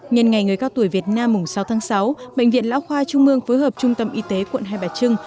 nhân ngày người cao tuổi việt nam sáu tháng sáu bệnh viện lão khoa trung mương phối hợp trung tâm y tế quận hai bà trưng